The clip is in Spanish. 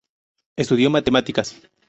Estudió matemáticas.